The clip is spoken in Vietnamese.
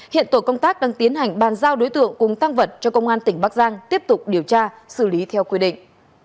hiện tổ công tác đang tiến hành bàn giao đối tượng cùng tăng vật cho công an tỉnh bắc giang tiếp tục điều tra xử lý theo quy định